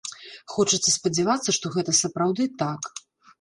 Хочацца спадзявацца, што гэта сапраўды так.